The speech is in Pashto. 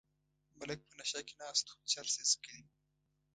ملک په نشه کې ناست و چرس یې څکلي وو.